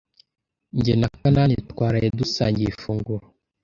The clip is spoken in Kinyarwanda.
Jye na Kanani twaraye dusangiye ifunguro.